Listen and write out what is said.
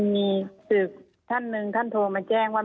มีศึกท่านหนึ่งท่านโทรมาแจ้งว่า